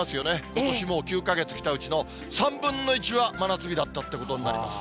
ことしもう９か月きたうちの３分の１は真夏日だったってことになります。